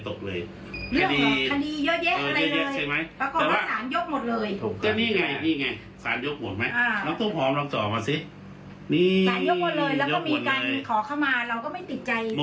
ทุกคนที่ใส่ไลค์เราให้เขามีความรับ